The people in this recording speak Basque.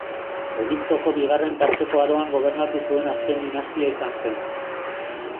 Egiptoko bigarren tarteko aroan gobernatu zuen azken dinastia izan zen.